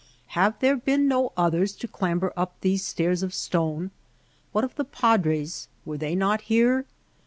Have there been no others to clamber up these stairs of stone ? What of the Padres — were they not here